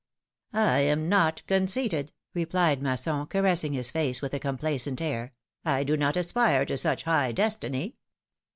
"I am not conceited!" replied Masson, caressing his face with a complacent air ;" I do not aspire to such high destiny